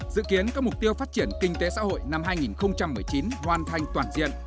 dự kiến các mục tiêu phát triển kinh tế xã hội năm hai nghìn một mươi chín hoàn thành toàn diện